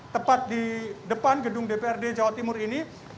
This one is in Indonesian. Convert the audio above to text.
tepat di depan gedung dprd jawa timur ini